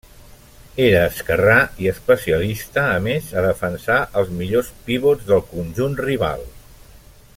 Era esquerrà, i especialista a més a defensar als millors pivots del conjunt rival.